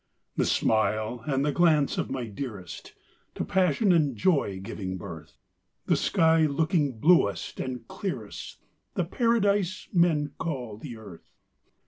The smile and the glance of my dearest To passion and joy giving birth, The sky looking bluest and clearest, The paradise men call the earth!